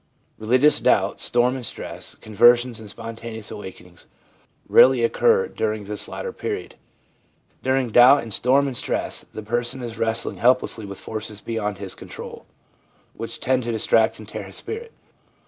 Religious doubt, storm and stress, conversions and spontaneous awakenings rarely occur during this later period. During doubt and storm and stress the person is wrestling helplessly with forces beyond his control, which tend to distract and tear his spirit.